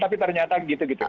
tapi ternyata gitu gitu